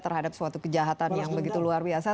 terhadap suatu kejahatan yang begitu luar biasa